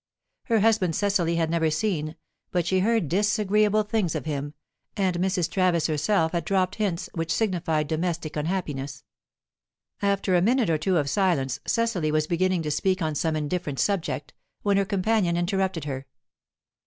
Her husband Cecily had never seen, but she heard disagreeable things of him, and Mrs. Travis herself had dropped hints which signified domestic unhappiness. After a minute or two of silence, Cecily was beginning to speak on some indifferent subject, when her companion interrupted her.